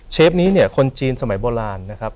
เชฟนี้เนี่ยคนจีนสมัยโบราณนะครับ